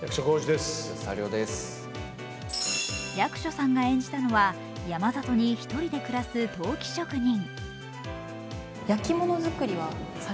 役所さんが演じたのは山里に１人で暮らす陶器職人。